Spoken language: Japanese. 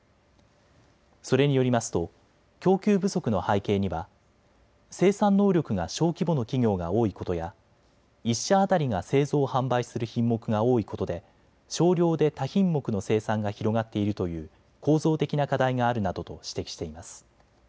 それによりますと供給不足の背景には生産能力が小規模の企業が多いことや１社当たりが製造販売する品目が多いことで少量で多品目の生産が広がっているという構造的な課題があるなどと指摘しています。